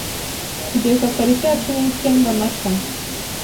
kugeza tariki ya cumi nicyenda Mata